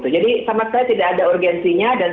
jadi sama sekali tidak ada urgensinya